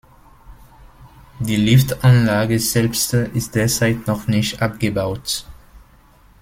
Die Liftanlage selbst ist derzeit noch nicht abgebaut.